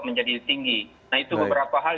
menjadi tinggi nah itu beberapa hal